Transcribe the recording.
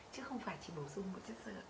chứ không phải chỉ bổ sung một chất sơ